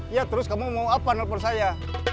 iya terus kamu mau apa nelfon saya